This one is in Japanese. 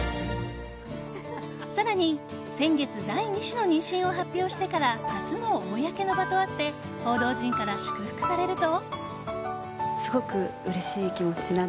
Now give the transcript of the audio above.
更に、先月第２子の妊娠を発表してから初の公の場とあって報道陣から祝福されると。